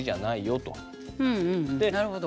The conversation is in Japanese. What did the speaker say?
なるほど。